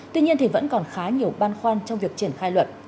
tuy nhiên thì vẫn còn khá nhiều ban khoan trong việc triển khai luật